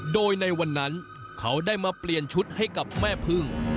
โดยในวันนั้นเขาได้มาเปลี่ยนชุดให้กับแม่พึ่ง